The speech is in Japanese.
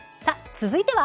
続いては。